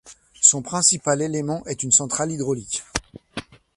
Son principal élément est une centrale hydraulique.